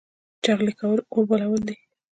چغلي کول اور بلول دي